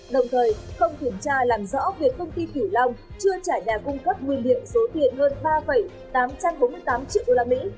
đồng thời không kiểm tra làm rõ việc công ty thủy long chưa trả nhà cung cấp nguyên liệu số tiền hơn ba tám trăm bốn mươi tám triệu usd